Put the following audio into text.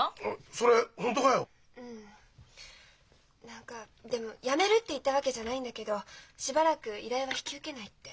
何かでも「やめる」って言ったわけじゃないんだけど「しばらく依頼は引き受けない」って。